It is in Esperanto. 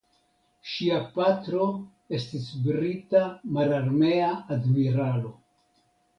Ŝia patro estis brita mararmea admiralo.